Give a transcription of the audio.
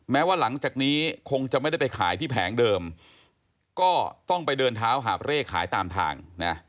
แม้ว่าหลังจากนี้คงจะไม่ได้ไปขายที่แผงเดิมก็ต้องไปเดินเท้าหาบเร่ขายตามทางนะ